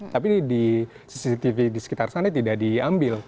tapi di cctv di sekitar sana tidak diambil